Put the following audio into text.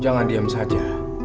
jangan diam saja